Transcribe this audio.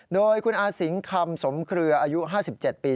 โดยคุณอาสิงคำสมเครืออายุ๕๗ปี